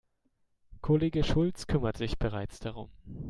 Kollege Schulz kümmert sich bereits darum.